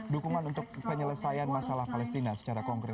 dukungan untuk penyelesaian masalah palestina secara konkret